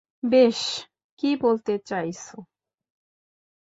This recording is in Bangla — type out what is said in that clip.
বেশ, কী বলতে চাইছো?